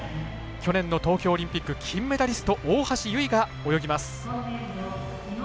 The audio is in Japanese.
去年の東京オリンピック金メダリスト大橋悠依が泳ぎます。